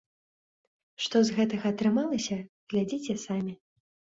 Што з гэтага атрымалася, глядзіце самі.